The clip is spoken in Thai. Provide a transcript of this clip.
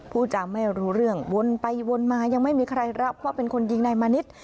ผู้จำไม่รู้เรื่องวนไปวนมายังไม่มีใครรับว่าเป็นคนยิงนายมานิด